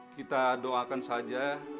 kita doakan sepakatnya